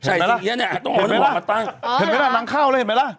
อ่าใช้สิงเอียเนี้ยต้องเอาน้ำหอมมาตั้งเห็นไหมล่ะน้ำข้าวเลยเห็นไหมล่ะ